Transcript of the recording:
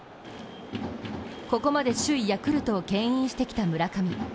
ここまで首位・ヤクルトをけん引してきた村上。